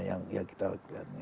yang kita lakukan